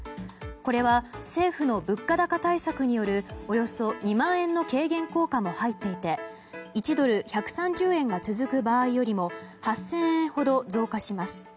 これは政府の物価高対策によるおよそ２万円の軽減効果も入っていて１ドル＝１３０円が続く場合よりも８０００円ほど増加します。